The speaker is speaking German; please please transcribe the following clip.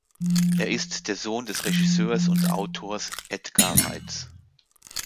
Er ist der Sohn des Regisseurs und Autors Edgar Reitz.